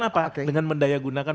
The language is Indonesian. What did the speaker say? apa oke dengan mendayagunakan